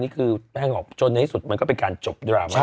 คุณแม่บอกจนในที่สุดมันก็เป็นการจบดราม่า